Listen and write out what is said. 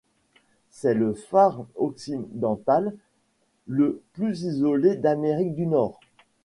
C'est le phare occidental le plus isolé d'Amérique du Nord.